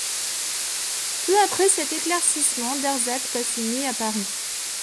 Peu après cet éclaircissement, Darzac passe une nuit à Paris.